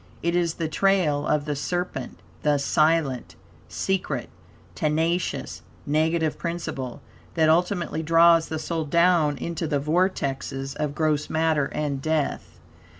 It is the trail of the serpent; the silent, secret, tenacious, negative principle; that ultimately draws the soul down into the vortices of gross matter and death.